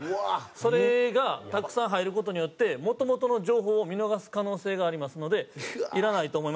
「それがたくさん入る事によってもともとの情報を見逃す可能性がありますのでいらないと思います。